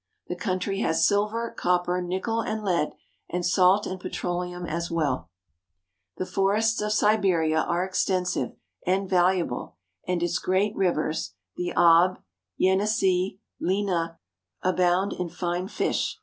The country has silver, copper, nickel, and lead, and salt and petroleum as well. 380 RUSSIA IN ASIA The forests of Siberia are extensive and valuable; and its great rivers, the Ob, Yenisei (yen e se'e), Lena, and Amur abound in fine fish.